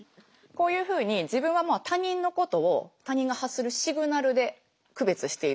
こういうふうに自分はもう他人のことを他人が発するシグナルで区別しているわけですよね。